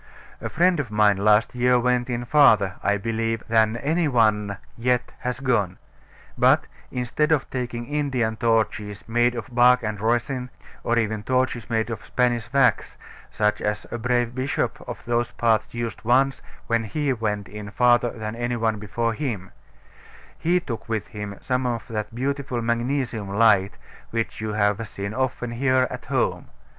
A friend of mine last year went in farther, I believe, than any one yet has gone; but, instead of taking Indian torches made of bark and resin, or even torches made of Spanish wax, such as a brave bishop of those parts used once when he went in farther than any one before him, he took with him some of that beautiful magnesium light which you have seen often here at home.